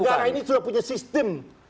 negara ini sudah punya sistem